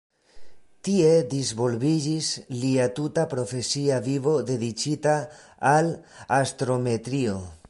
Tie disvolviĝis lia tuta profesia vivo dediĉita al astrometrio.